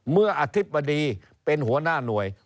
อธิบดีเป็นหัวหน้าหน่วย